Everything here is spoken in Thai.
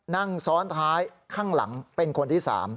นั่งซ้อนท้ายข้างหลังเป็นคนที่๓